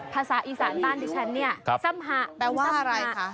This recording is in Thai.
ภาษาอีสานบ้านดิฉันเนี่ยสัมหะแปลว่าอะไรคะ